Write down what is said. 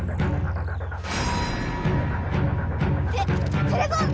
テテレゾンビ！